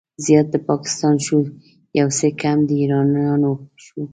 زيات د پاکستان شو، يو څه کم د ايرانيانو شو